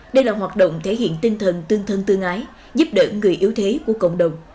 đây là hoạt động thể hiện tinh thần tương thân tương ái giúp đỡ người yếu thế của cộng đồng